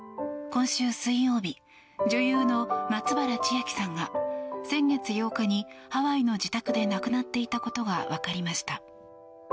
今週水曜日女優の松原千明さんが先月８日にハワイの自宅で亡くなっていたことが分かりました。